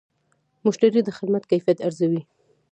مشتری د خدمت کیفیت ارزوي.